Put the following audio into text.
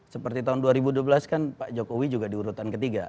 seperti tahun dua ribu dua belas kan pak jokowi juga diurutan ketiga